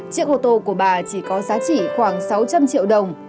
chiếc ô tô của bà chỉ có giá trị khoảng sáu trăm linh triệu đồng